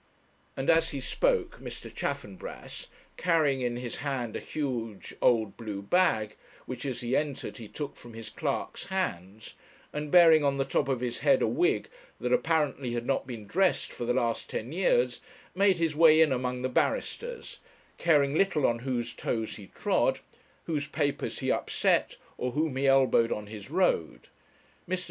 And as he spoke, Mr. Chaffanbrass, carrying in his hand a huge old blue bag, which, as he entered, he took from his clerk's hands, and bearing on the top of his head a wig that apparently had not been dressed for the last ten years, made his way in among the barristers, caring little on whose toes he trod, whose papers he upset, or whom he elbowed on his road. Mr.